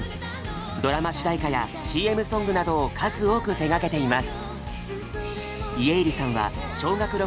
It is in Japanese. ドラマ主題歌やＣＭソングなどを数多く手がけています。